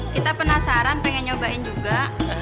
kita penasaran pengen nyobain juga